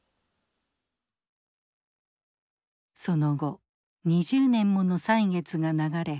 その後２０年もの歳月が流れ